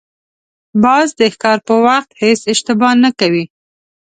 باز د ښکار په وخت هېڅ اشتباه نه کوي